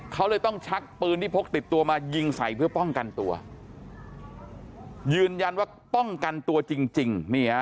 เขาเลยต้องชักปืนที่พกติดตัวมายิงใส่เพื่อป้องกันตัวยืนยันว่าป้องกันตัวจริง